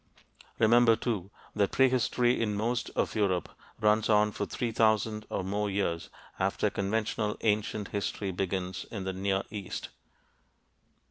Remember, too, that prehistory in most of Europe runs on for three thousand or more years after conventional ancient history begins in the Near East.